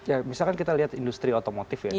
ya misalkan kita lihat industri otomotif ya